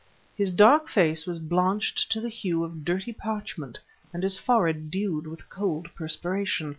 His dark face was blanched to the hue of dirty parchment and his forehead dewed with cold perspiration.